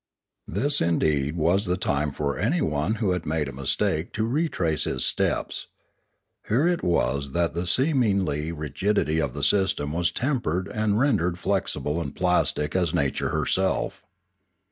This indeed was the time for anyone who had made a mistake to retrace his steps. Here it was that the seeming rigidity of the system was tempered and ren dered flexible and plastic as nature herself.